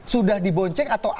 sudah dibonceng atau tidak